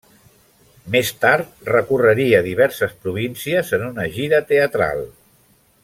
Més tard recorreria diverses províncies en una gira teatral.